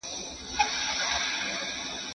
په فضا کې د جاذبې قوه نشته.